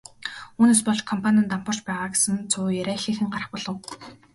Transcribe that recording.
Үүнээс болж компани нь дампуурч байгаа гэсэн цуу яриа ихээхэн гарах болов.